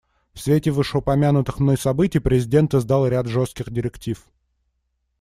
В свете вышеупомянутых мной событий президент издал ряд жестких директив.